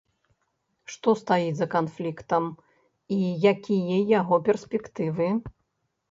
Што стаіць за канфліктам, і якія яго перспектывы?